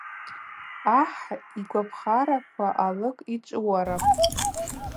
Ахӏ йгвапхараква алыг йчӏвыуарапӏ.